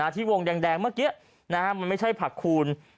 ที่วงแดงเมื่อกี้มันไม่ใช่ผักคูณ